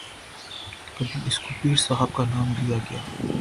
کبھی اسکو پیر صاحب کا نام دیا گیا